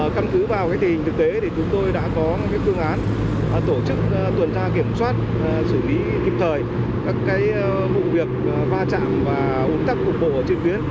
căn cứ vào tình hình thực tế thì chúng tôi đã có những phương án tổ chức tuần tra kiểm soát xử lý kịp thời các vụ việc va chạm và ủn tắc cục bộ trên tuyến